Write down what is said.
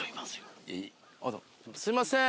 すいません。